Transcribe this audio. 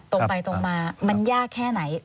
ตรงไปตรงมามันยากแค่ไหน